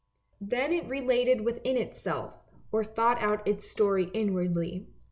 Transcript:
Then it related within itself, or thought out its story inwardly.